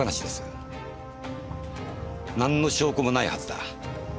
なんの証拠もないはずだ。